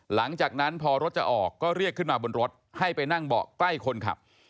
หลังจากนั้นพอรถจะออกก็เรียกขึ้นมาบนรถให้ไปนั่งเบาะใกล้คนขับ